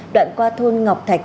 đoạn qua thôn ngọc thạch